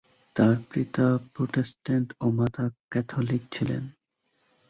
তার পিতা প্রটেস্ট্যান্ট ও মাতা ক্যাথলিক ছিলেন।